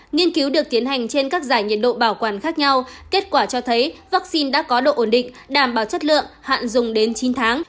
nghiên cứu được tiến hành trên các giải nhiệt độ bảo quản khác nhau kết quả cho thấy vaccine đã có độ ổn định đảm bảo chất lượng hạn dùng đến chín tháng